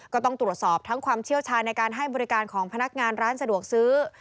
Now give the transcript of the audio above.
ก็ต้องตรวจสอบทั้งความเชี่ยวชาญในการให้บริการของพนักงานร้านสะดวกซื้อ